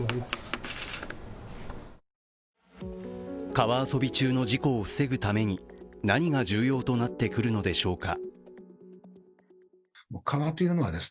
川遊び中の事故を防ぐために何が重要となってくるのでしょうか。